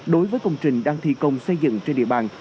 đối với công trình đang thi công xây dựng trên địa bàn